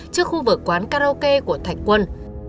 trước khu vực quán karaoke của thạch quân